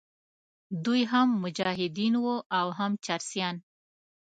دوی هم مجاهدین وو او هم چرسیان.